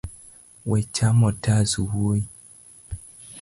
We chamo otas wuoi.